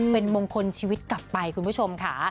เป็นมงคลชีวิตกลับไปคุณผู้ชมค่ะ